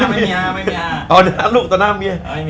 ไม่มีความ